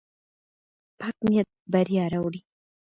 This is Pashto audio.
پاک نیت بریا راوړي.